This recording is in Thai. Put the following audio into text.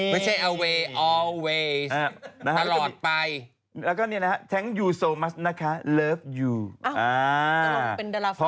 ไม่ใช่เอาเวย์เอาเวย์ตลอดไปแล้วก็เนี่ยนะฮะแท็งค์ยูโซมัสนะฮะเลิฟยูอ้าวตรงเป็นดลาฟอร์ม